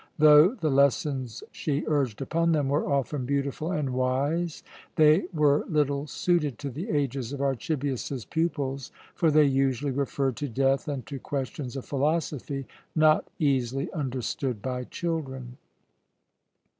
Though the lessons she urged upon them were often beautiful and wise, they were little suited to the ages of Archibius's pupils, for they usually referred to death and to questions of philosophy not easily understood by children.